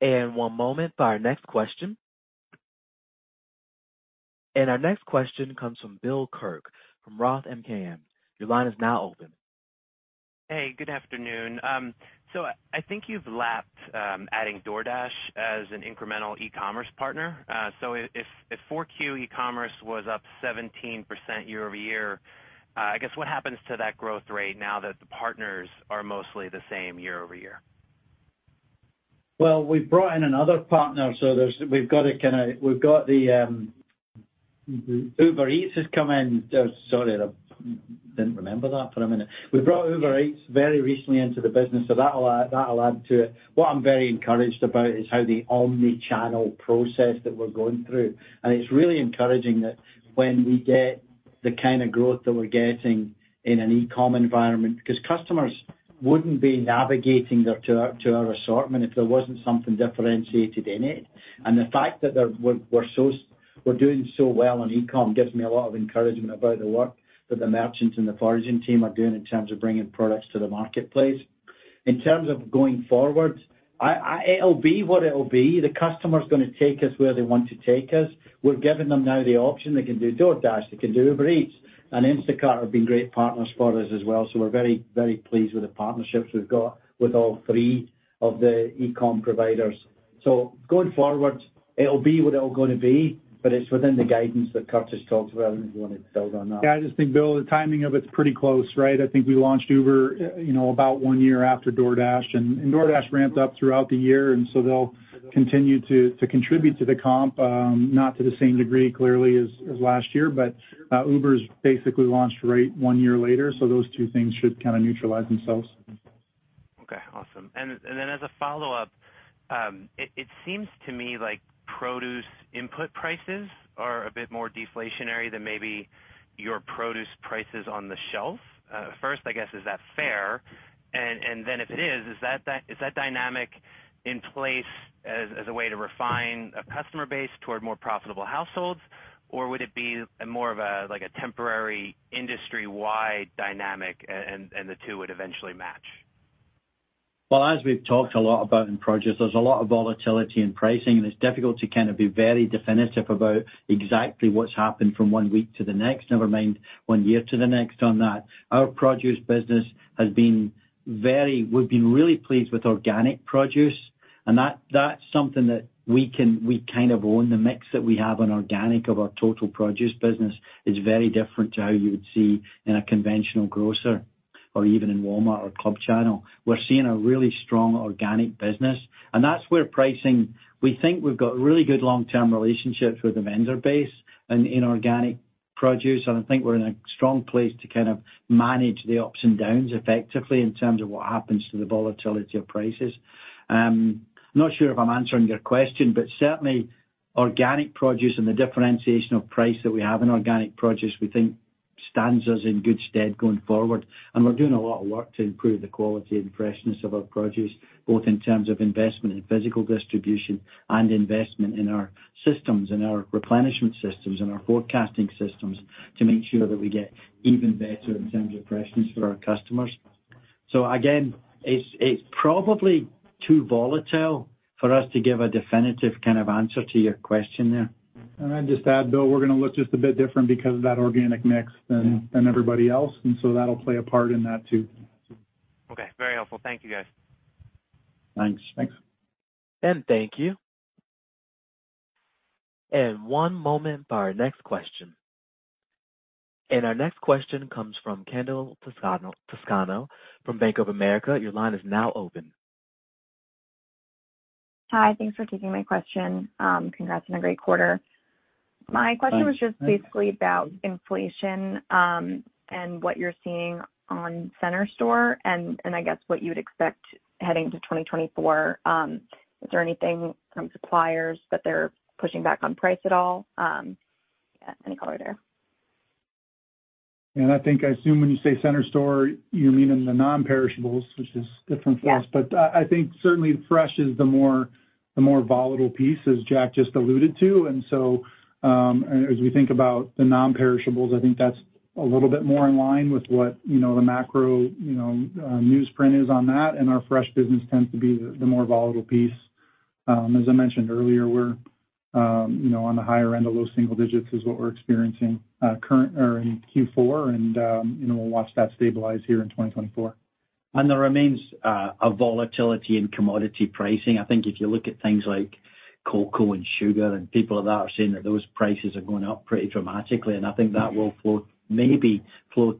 Speaker 1: One moment for our next question. Our next question comes from Bill Kirk from Roth MKM. Your line is now open.
Speaker 15: Hey, good afternoon. So I think you've lapped adding DoorDash as an incremental e-commerce partner. So if 4Q e-commerce was up 17% year-over-year, I guess what happens to that growth rate now that the partners are mostly the same year-over-year?
Speaker 3: Well, we've brought in another partner, so we've got Uber Eats has come in. Sorry, I didn't remember that for a minute. We brought Uber Eats very recently into the business, so that'll add to it. What I'm very encouraged about is how the omni-channel process that we're going through, and it's really encouraging that when we get the kind of growth that we're getting in an e-com environment, because customers wouldn't be navigating there to our assortment if there wasn't something differentiated in it. And the fact that we're doing so well on e-com gives me a lot of encouragement about the work that the merchants and the sourcing team are doing in terms of bringing products to the marketplace. In terms of going forward, it'll be what it'll be. The customer is going to take us where they want to take us. We're giving them now the option. They can do DoorDash, they can do Uber Eats, and Instacart have been great partners for us as well, so we're very, very pleased with the partnerships we've got with all three of the e-com providers. So going forward, it'll be what it'll going to be, but it's within the guidance that Curtis talked about, if you want to build on that.
Speaker 4: Yeah, I just think, Bill, the timing of it is pretty close, right? I think we launched Uber, you know, about one year after DoorDash, and DoorDash ramped up throughout the year, and so they'll continue to, to contribute to the comp, not to the same degree, clearly as, as last year, but, Uber's basically launched right one year later, so those two things should kind of neutralize themselves.
Speaker 15: Okay, awesome. Then as a follow-up, it seems to me like produce input prices are a bit more deflationary than maybe your produce prices on the shelf. First, I guess, is that fair? And then if it is, is that dynamic in place as a way to refine a customer base toward more profitable households? Or would it be more of a like a temporary industry-wide dynamic, and the two would eventually match?
Speaker 3: Well, as we've talked a lot about in produce, there's a lot of volatility in pricing, and it's difficult to kind of be very definitive about exactly what's happened from one week to the next, never mind one year to the next on that. Our produce business has been very, we've been really pleased with organic produce, and that, that's something that we can, we kind of own. The mix that we have on organic of our total produce business is very different to how you would see in a conventional grocer or even in Walmart or club channel. We're seeing a really strong organic business, and that's where pricing... We think we've got really good long-term relationships with the vendor base and in organic produce, and I think we're in a strong place to kind of manage the ups and downs effectively in terms of what happens to the volatility of prices. Not sure if I'm answering your question, but certainly organic produce and the differentiation of price that we have in organic produce, we think stands us in good stead going forward. We're doing a lot of work to improve the quality and freshness of our produce, both in terms of investment in physical distribution and investment in our systems and our replenishment systems and our forecasting systems, to make sure that we get even better in terms of freshness for our customers. So again, it's probably too volatile for us to give a definitive kind of answer to your question there.
Speaker 4: I'd just add, Bill, we're going to look just a bit different because of that organic mix than everybody else, and so that'll play a part in that, too.
Speaker 15: Okay, very helpful. Thank you, guys.
Speaker 3: Thanks.
Speaker 4: Thanks.
Speaker 1: Thank you. One moment for our next question. Our next question comes from Kendall Toscano, Toscano from Bank of America. Your line is now open.
Speaker 16: Hi, thanks for taking my question. Congrats on a great quarter.
Speaker 3: Thanks.
Speaker 16: My question was just basically about inflation, and what you're seeing on center store, and I guess what you'd expect heading to 2024. Is there anything from suppliers that they're pushing back on price at all? Yeah, any color there.
Speaker 4: I think I assume when you say center store, you mean in the non-perishables, which is different for us.
Speaker 16: Yeah.
Speaker 4: But I think certainly fresh is the more volatile piece, as Jack just alluded to. And so, as we think about the non-perishables, I think that's a little bit more in line with what, you know, the macro news is on that, and our fresh business tends to be the more volatile piece. As I mentioned earlier, we're, you know, on the higher end of those single digits is what we're experiencing, currently in Q4, and, you know, we'll watch that stabilize here in 2024. ...
Speaker 3: And there remains a volatility in commodity pricing. I think if you look at things like cocoa and sugar, and people are now saying that those prices are going up pretty dramatically, and I think that will flow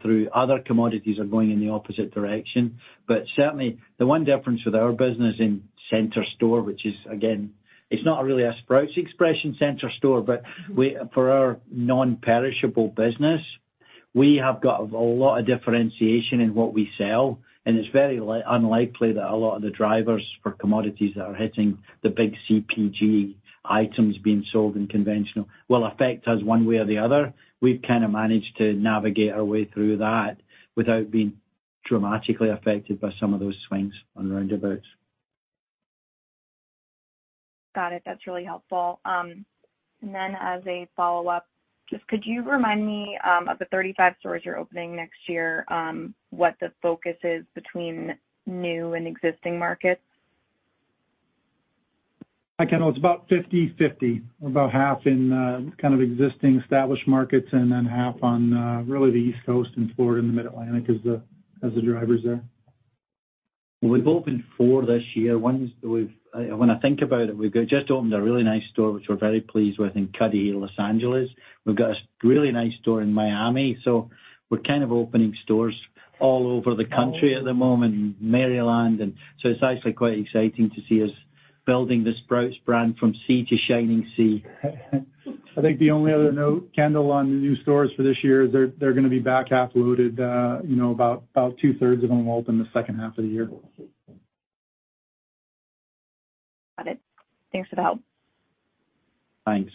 Speaker 3: through. Other commodities are going in the opposite direction. But certainly, the one difference with our business in center store, which is again, it's not really a Sprouts expression center store, but we for our non-perishable business, we have got a lot of differentiation in what we sell, and it's very unlikely that a lot of the drivers for commodities that are hitting the big CPG items being sold in conventional will affect us one way or the other. We've kind of managed to navigate our way through that without being dramatically affected by some of those swings and roundabouts.
Speaker 16: Got it. That's really helpful. As a follow-up, just could you remind me of the 35 stores you're opening next year, what the focus is between new and existing markets?
Speaker 4: Hi, Kendall, it's about 50/50, about half in kind of existing, established markets and then half on really the East Coast and Florida and the Mid-Atlantic as the drivers there.
Speaker 3: We've opened 4 this year. One is, when I think about it, we've just opened a really nice store, which we're very pleased with, in Cudahy, Los Angeles. We've got a really nice store in Miami, so we're kind of opening stores all over the country at the moment, in Maryland, and so it's actually quite exciting to see us building the Sprouts brand from sea to shining sea.
Speaker 4: I think the only other note, Kendall, on the new stores for this year is they're gonna be back half loaded, you know, about two-thirds of them will open the second half of the year.
Speaker 16: Got it. Thanks for the help.
Speaker 3: Thanks.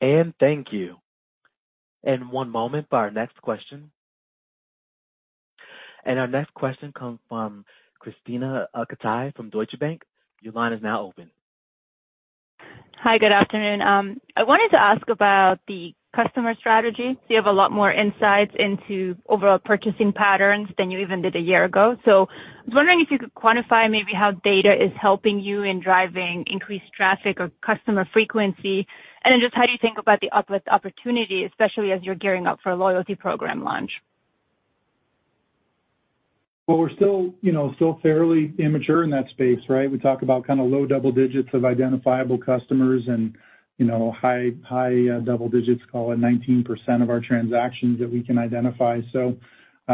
Speaker 1: Thank you. One moment for our next question. Our next question comes from Krisztina Katai from Deutsche Bank. Your line is now open.
Speaker 17: Hi, good afternoon. I wanted to ask about the customer strategy. You have a lot more insights into overall purchasing patterns than you even did a year ago. So I was wondering if you could quantify maybe how data is helping you in driving increased traffic or customer frequency, and then just how do you think about the uplift opportunity, especially as you're gearing up for a loyalty program launch?
Speaker 4: Well, we're still, you know, still fairly immature in that space, right? We talk about kind of low double digits of identifiable customers and, you know, high, high double digits, call it 19% of our transactions that we can identify. So,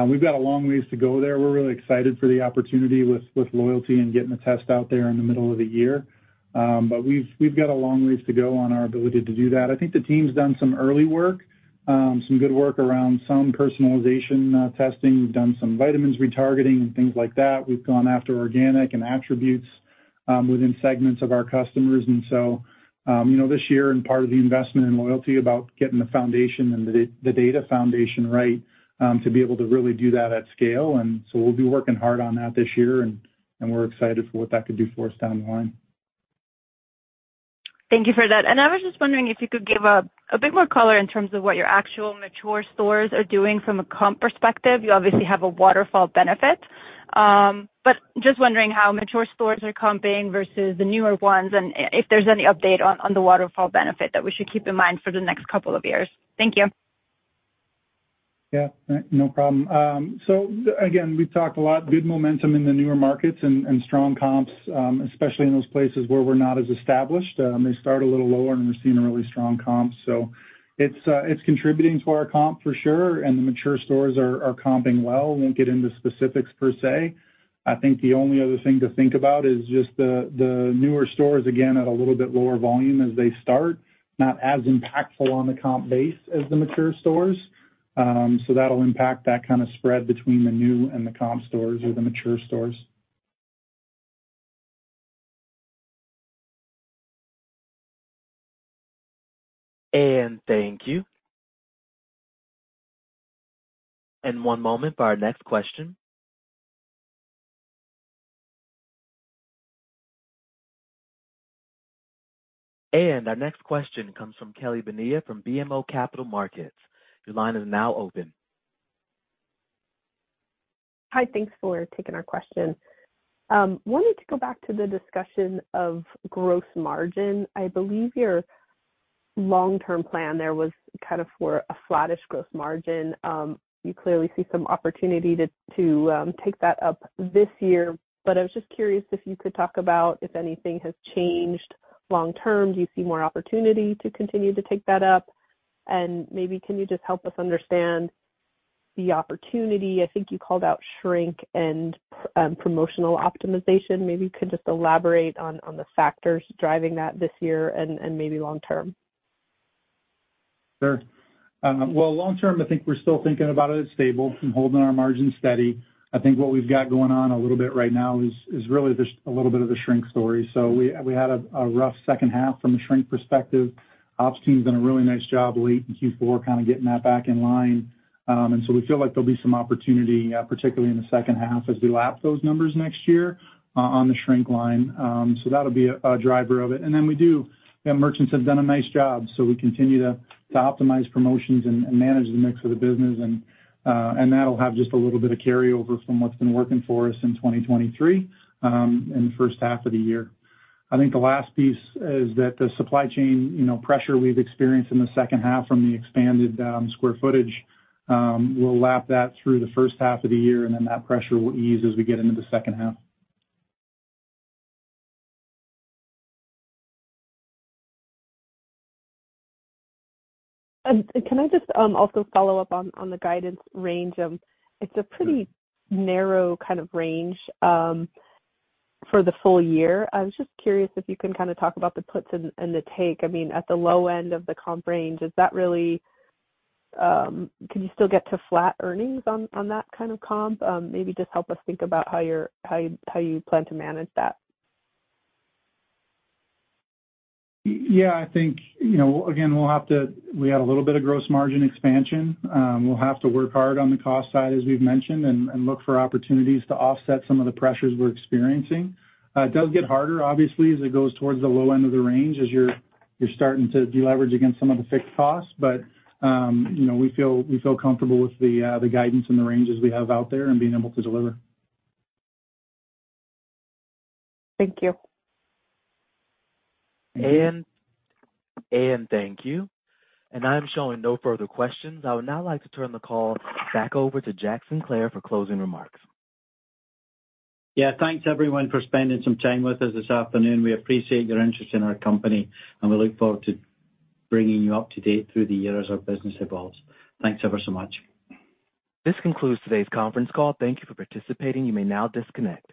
Speaker 4: we've got a long ways to go there. We're really excited for the opportunity with loyalty and getting the test out there in the middle of the year. But we've got a long ways to go on our ability to do that. I think the team's done some early work, some good work around some personalization testing. We've done some vitamins retargeting and things like that. We've gone after organic and attributes within segments of our customers. And so, you know, this year and part of the investment in loyalty, about getting the foundation and the data foundation right, to be able to really do that at scale. And so we'll be working hard on that this year, and we're excited for what that could do for us down the line.
Speaker 17: Thank you for that. I was just wondering if you could give a bit more color in terms of what your actual mature stores are doing from a comp perspective. You obviously have a waterfall benefit. But just wondering how mature stores are comping versus the newer ones, and if there's any update on the waterfall benefit that we should keep in mind for the next couple of years. Thank you.
Speaker 4: Yeah, no problem. So again, we've talked a lot, good momentum in the newer markets and, and strong comps, especially in those places where we're not as established. They start a little lower, and we're seeing a really strong comp. So it's, it's contributing to our comp for sure, and the mature stores are, are comping well. I won't get into specifics per se. I think the only other thing to think about is just the, the newer stores, again, at a little bit lower volume as they start, not as impactful on the comp base as the mature stores. So that'll impact that kind of spread between the new and the comp stores or the mature stores.
Speaker 1: Thank you. One moment for our next question. Our next question comes from Kelly Bania from BMO Capital Markets. Your line is now open.
Speaker 18: Hi, thanks for taking our question. Wanted to go back to the discussion of gross margin. I believe your long-term plan there was kind of for a flattish gross margin. You clearly see some opportunity to take that up this year, but I was just curious if you could talk about if anything has changed long term. Do you see more opportunity to continue to take that up? And maybe can you just help us understand the opportunity? I think you called out shrink and promotional optimization. Maybe you could just elaborate on the factors driving that this year and maybe long term.
Speaker 4: Sure. Well, long term, I think we're still thinking about it as stable and holding our margins steady. I think what we've got going on a little bit right now is really just a little bit of a shrink story. So we had a rough second half from a shrink perspective. Ops team's done a really nice job late in Q4, kind of getting that back in line. And so we feel like there'll be some opportunity, particularly in the second half as we lap those numbers next year on the shrink line. So that'll be a driver of it. And then we do... You know, merchants have done a nice job, so we continue to optimize promotions and manage the mix of the business. And that'll have just a little bit of carryover from what's been working for us in 2023, in the first half of the year. I think the last piece is that the supply chain, you know, pressure we've experienced in the second half from the expanded square footage, we'll lap that through the first half of the year, and then that pressure will ease as we get into the second half.
Speaker 18: Can I just also follow up on the guidance range? It's a pretty narrow kind of range for the full year. I was just curious if you can kind of talk about the puts and the take. I mean, at the low end of the comp range, is that really, can you still get to flat earnings on that kind of comp? Maybe just help us think about how you plan to manage that.
Speaker 4: Yeah, I think, you know, again, we'll have to. We had a little bit of gross margin expansion. We'll have to work hard on the cost side, as we've mentioned, and look for opportunities to offset some of the pressures we're experiencing. It does get harder, obviously, as it goes towards the low end of the range, as you're starting to deleverage against some of the fixed costs. But, you know, we feel comfortable with the guidance and the ranges we have out there and being able to deliver.
Speaker 18: Thank you.
Speaker 1: And thank you. I'm showing no further questions. I would now like to turn the call back over to Jack Sinclair for closing remarks.
Speaker 3: Yeah, thanks, everyone, for spending some time with us this afternoon. We appreciate your interest in our company, and we look forward to bringing you up to date through the year as our business evolves. Thanks ever so much.
Speaker 1: This concludes today's conference call. Thank you for participating. You may now disconnect.